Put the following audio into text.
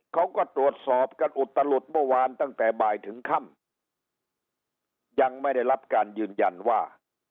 เขาก็ตรวจสอบกันอุตลุดเมื่อวานตั้งแต่บ่ายถึงค่ำยังไม่ได้รับการยืนยันว่า